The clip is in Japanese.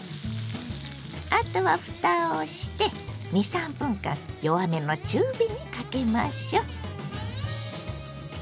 あとはふたをして２３分間弱めの中火にかけましょう。